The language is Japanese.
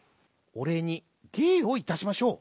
おれいにげいをいたしましょう。